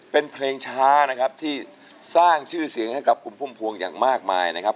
เป็นเพลงช้านะครับที่สร้างชื่อเสียงให้กับคุณพุ่มพวงอย่างมากมายนะครับ